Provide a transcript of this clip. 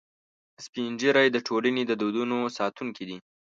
سپین ږیری د ټولنې د دودونو ساتونکي دي